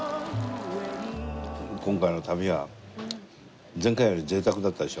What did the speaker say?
今回の旅は前回より贅沢だったでしょ？